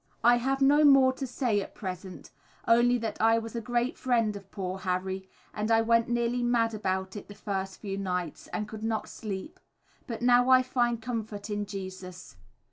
I have no more to say at present, only that I was a great friend of poor Harry, and I went nearly mad about it the first few nights, and could not sleep; but now I find comfort in Jesus.